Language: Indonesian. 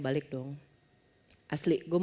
balik dong asli gue